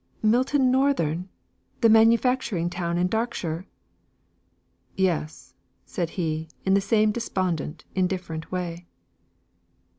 "Milton Northern! The manufacturing town in Darkshire?" "Yes," said he, in the same despondent, indifferent way.